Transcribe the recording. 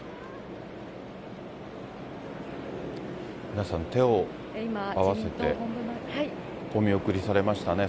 皆さん、手を合わせて、お見送りされましたね。